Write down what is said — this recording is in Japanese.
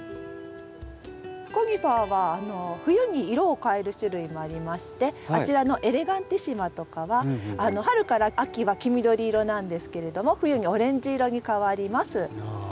コニファーは冬に色を変える種類もありましてあちらの‘エレガンティシマ’とかは春から秋は黄緑色なんですけれども冬にオレンジ色に変わります。